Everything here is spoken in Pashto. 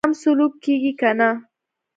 سم سلوک کیږي کنه.